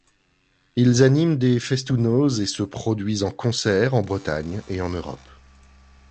Ils animent des festoù-noz et se produisent en concert en Bretagne et en Europe.